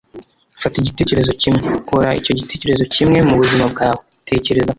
Fata igitekerezo kimwe. Kora icyo gitekerezo kimwe m' ubuzima bwawe - tekereza,